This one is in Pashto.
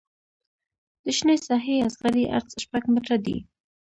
د شنې ساحې اصغري عرض شپږ متره دی